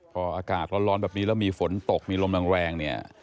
พออากาศร้อนแบบนี้แล้วมีฝนตกมีลมแรงเนี่ย